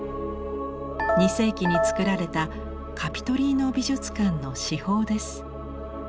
２世紀に作られたカピトリーノ美術館の至宝です。